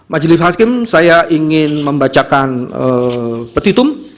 majelis hakim saya ingin membacakan petitum